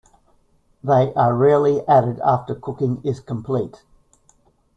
They are rarely added after cooking is complete.